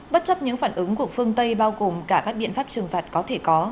bất chấp những phản ứng của phương tây bao gồm cả các biện pháp trừng phạt có thể có